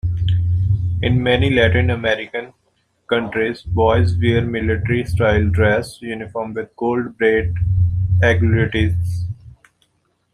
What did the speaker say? In many Latin American countries, boys wear military-style dress uniforms with gold braid aiguillettes.